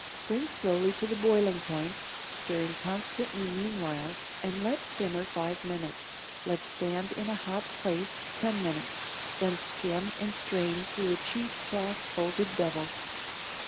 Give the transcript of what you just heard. Bring slowly to the boiling point, stirring constantly meanwhile, and let simmer five minutes; let stand in a hot place ten minutes, then skim and strain through a cheese cloth folded double.